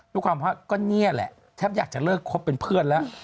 ด้วยความว่าก็นี่แหละแทบอยากจะเลิกคบเป็นเพื่อนแล้ว